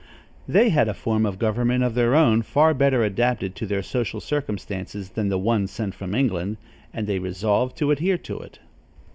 They had a form of government of their own, far better adapted to their social circumstances than the one sent from England, and they resolved to adhere to it.